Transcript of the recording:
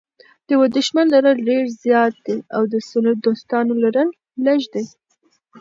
د یوه دښمن لرل ډېر زیات دي او د سلو دوستانو لرل لږ دي.